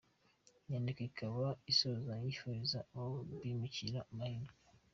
Inyandiko ikaba isoza yifuriza aba bimukira amahirwe.